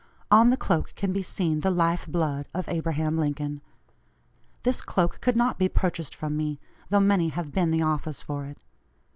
On the cloak can be seen the life blood of Abraham Lincoln. This cloak could not be purchased from me, though many have been the offers for it.